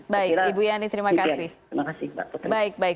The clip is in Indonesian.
baik ibu yani terima kasih